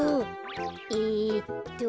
えっと。